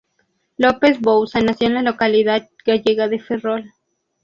López Bouza nació en la localidad gallega de Ferrol.